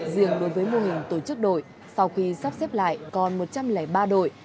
riêng đối với mô hình tổ chức đội sau khi sắp xếp lại còn một trăm linh ba đội